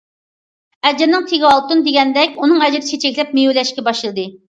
‹‹ ئەجىرنىڭ تېگى ئالتۇن›› دېگەندەك، ئۇنىڭ ئەجرى چېچەكلەپ مېۋىلەشكە باشلىدى.